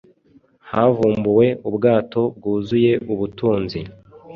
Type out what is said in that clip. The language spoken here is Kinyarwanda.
havumbuwe ubwato bwuzuye ubutunzi